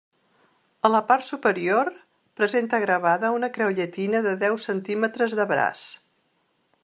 A la part superior presenta gravada una creu llatina de deu centímetres de braç.